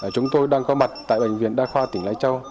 chúng tôi đang có mặt tại bệnh viện đa khoa tỉnh lai châu